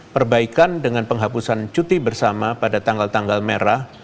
perbaikan dengan penghapusan cuti bersama pada tanggal tanggal merah